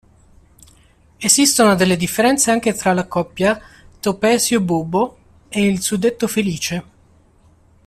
Esistono delle differenze anche tra la coppia Topesio-Bubbo e il suddetto Felice.